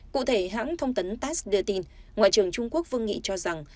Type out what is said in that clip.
cụ thể hãng thông tấn tass đưa tin ngoại trưởng trung quốc vương nghị cho rằng